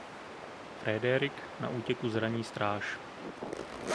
Frédéric na útěku zraní stráž.